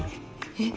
えっ。